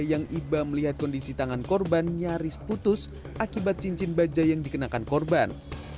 yang iba melihat kondisi tangan korban nyaris putus akibat cincin baja yang dikenakan korban